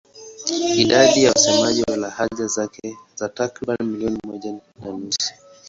Idadi ya wasemaji wa lahaja zake ni takriban milioni moja na nusu.